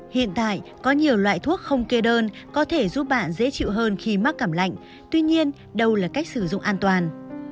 hiện tại có nhiều loại thuốc không kê đơn có thể giúp bạn dễ chịu hơn khi mắc cảm lạnh tuy nhiên đâu là cách sử dụng an toàn